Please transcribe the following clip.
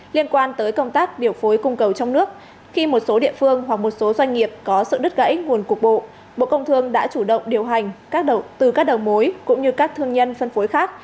liên quan tới công tác điều phối cung cầu trong nước khi một số địa phương hoặc một số doanh nghiệp có sự đứt gãy nguồn cục bộ bộ công thương đã chủ động điều hành từ các đầu mối cũng như các thương nhân phân phối khác